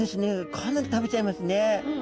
かなり食べちゃいますね。